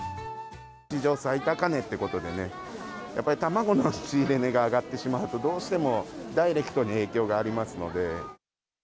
史上最高値ってことでね、やっぱり、卵の仕入れ値が上がってしまうと、どうしてもダイレクトに影響がありますので。